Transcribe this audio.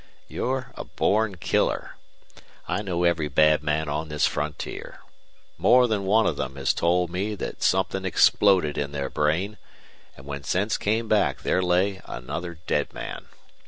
You're a born killer. I know every bad man on this frontier. More than one of them have told me that something exploded in their brain, and when sense came back there lay another dead man.